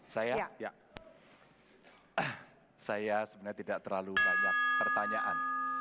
saya sebenarnya tidak terlalu banyak pertanyaan